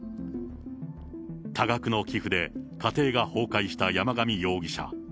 多額の寄付で家庭が崩壊した山上容疑者。